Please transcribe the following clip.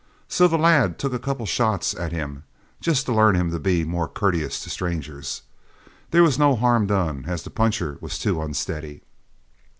So the lad took a couple of shots at him, just to learn him to be more courteous to strangers. There was no harm done, as the puncher was too unsteady."